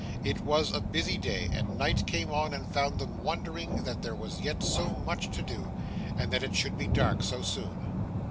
It was a busy day; and night came on, and found them wondering that there was yet so much to do, and that it should be dark so soon.